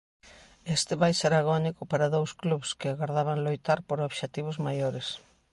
Este vai ser agónico para dous clubs que agardaban loitar por obxectivos maiores.